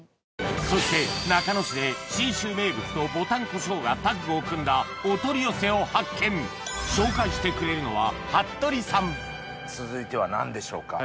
そして中野市で信州名物とぼたんこしょうがタッグを組んだお取り寄せを発見紹介してくれるのは続いては何でしょうか？